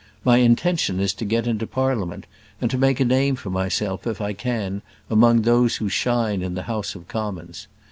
My intention is to get into Parliament, and to make a name for myself, if I can, among those who shine in the House of Commons.